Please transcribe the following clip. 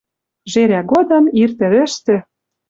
Жерӓ годым ир тӹрӹштӹ